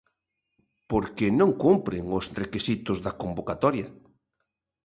Porque non cumpren os requisitos da convocatoria.